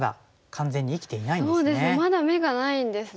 まだ眼がないんですね。